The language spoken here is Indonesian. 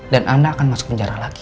dan anda akan masuk penjara lagi